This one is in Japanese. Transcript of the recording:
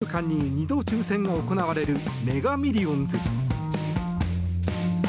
１週間に２度、抽選が行われるメガ・ミリオンズ。